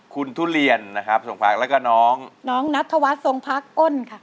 คุณทุเรียนนะครับทรงพักแล้วก็น้องน้องนัทธวัฒนทรงพักอ้นค่ะ